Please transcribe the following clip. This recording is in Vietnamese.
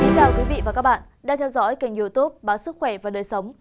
chào các bạn đã theo dõi kênh youtube bản sức khỏe và đời sống